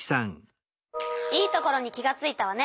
いいところに気がついたわね。